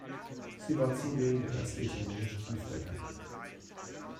Sie war zudem der erste italienische Tiefdecker.